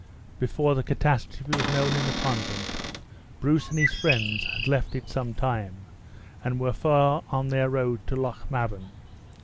Before the catastrophe was known in the convent, Bruce and his friends had left it some time, and were far on their road to Lochmaben.